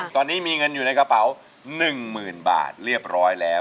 ตอนนี้มีเงินอยู่ในกระเป๋า๑๐๐๐บาทเรียบร้อยแล้ว